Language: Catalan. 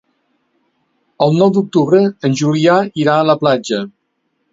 El nou d'octubre en Julià irà a la platja.